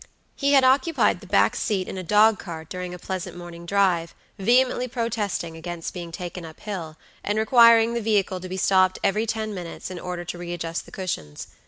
He had occupied the back seat in a dog cart during a pleasant morning drive, vehemently protesting against being taken up hill, and requiring the vehicle to be stopped every ten minutes in order to readjust the cushions.